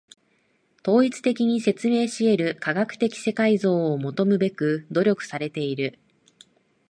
統一的に説明し得る科学的世界像を求むべく努力されている。